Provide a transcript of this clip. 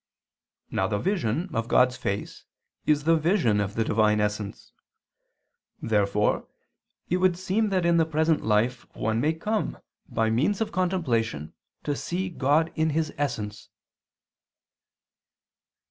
Now the vision of God's face is the vision of the Divine essence. Therefore it would seem that in the present life one may come, by means of contemplation, to see God in His essence.